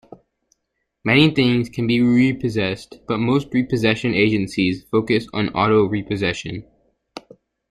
Many things can be repossessed, but most repossession agencies focus on auto repossession.